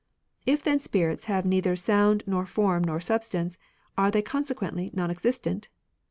" If then spirits have neither sound nor form nor substance, are they consequently non existent